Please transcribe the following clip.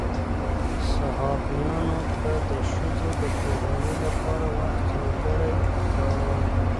صحابیانو به د ښځو د پوهاوي لپاره وخت ځانګړی کاوه.